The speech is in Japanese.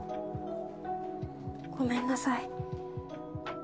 ごめんなさい。